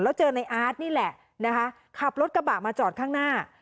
แล้วเจอในอาร์ตนี่แหละนะคะขับรถกระบะมาจอดข้างหน้า